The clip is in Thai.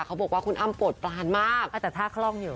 เขาบอกว่าคุณอ้ำปวดปลานมากแต่ท่าคล่องอยู่